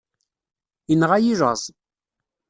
Inɣa-yi laẓ.